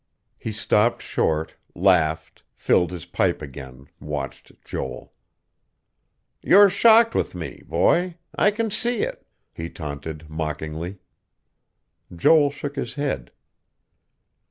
He stopped short, laughed, filled his pipe again, watched Joel. "You're shocked with me, boy. I can see it," he taunted mockingly. Joel shook his head.